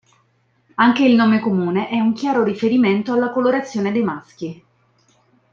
Anche il nome comune è un chiaro riferimento alla colorazione dei maschi.